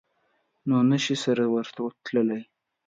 نو نه شي سره ورتلای.